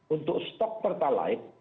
untuk stok pertalat